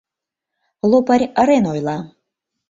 — Лопарь ырен ойла.